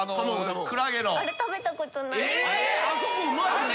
あそこうまいのに。